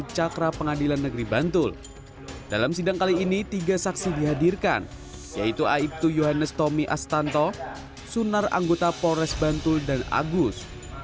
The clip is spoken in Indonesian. yaitu aibtu yohannes tommy astanto sunar anggota pores bantul dan agus